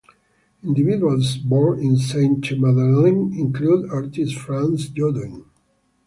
Individuals born in Sainte-Madeleine include artist France Jodoin.